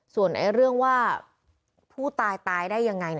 ส่วนเรื่องว่าผู้ตายตายได้ยังไง